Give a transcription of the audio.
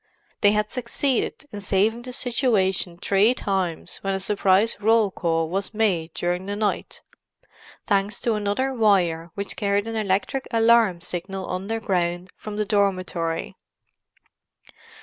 They had succeeded in saving the situation three times when a surprise roll call was made during the night—thanks to another wire which carried an electric alarm signal underground from the dormitory.